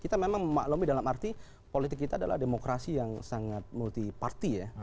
kita memang memaklumi dalam arti politik kita adalah demokrasi yang sangat multi party ya